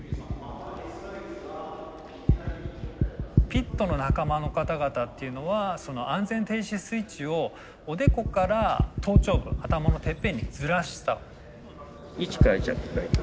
ピットの仲間の方々っていうのはその安全停止スイッチをおでこから頭頂部頭のてっぺんにずらした。